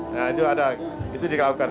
nah itu ada itu dikawalkan